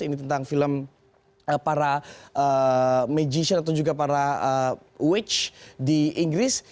ini tentang film para magister atau juga para watch di inggris